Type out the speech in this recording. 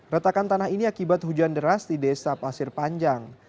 retakan tanah ini akibat hujan deras di desa pasir panjang